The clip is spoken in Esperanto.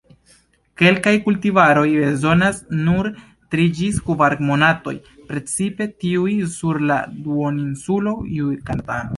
Kelkaj kultivaroj bezonas nur tri ĝis kvar monatoj, precipe tiuj sur la duoninsulo Jukatano.